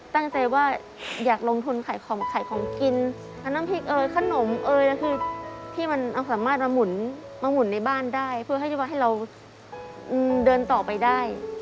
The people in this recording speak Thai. ตั้งใจว่าอยากลงทุนขายของขายของกินเอาน้ำพริกเอ่ยขนมเอ่ยคือที่มันสามารถมาหมุนมาหมุนในบ้านได้เพื่อให้ที่ว่าให้เราเดินต่อไปได้